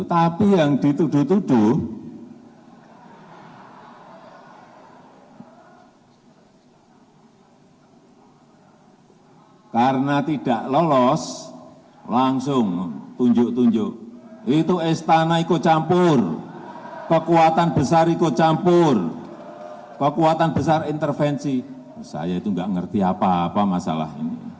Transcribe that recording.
tapi yang dituduh tuduh